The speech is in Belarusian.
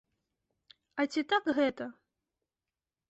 А ці так гэта?